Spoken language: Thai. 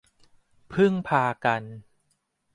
พึ่งพากัน